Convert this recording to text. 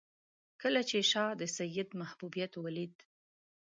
کله چې شاه د سید محبوبیت ولید.